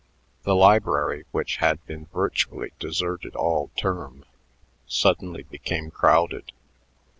The library, which had been virtually deserted all term, suddenly became crowded.